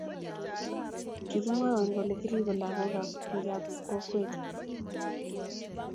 Kigimwowon kole kiribe lagook kab bikap kokwet